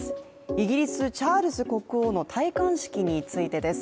イギリス、チャールズ国王の戴冠式についてです。